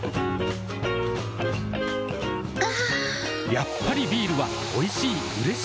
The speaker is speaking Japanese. やっぱりビールはおいしい、うれしい。